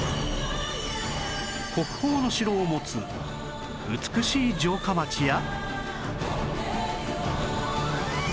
国宝の城を持つ美しい城下町や